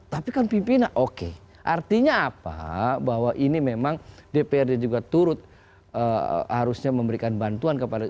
tapi kan pimpinan oke artinya apa bahwa ini memang dprd juga turut harusnya memberikan bantuan kepada